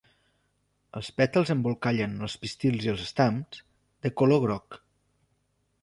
Els pètals embolcallen els pistils i els estams, de color groc.